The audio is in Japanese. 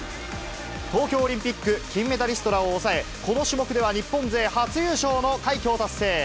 東京オリンピック金メダリストらを抑え、この種目では日本勢初優勝の快挙を達成。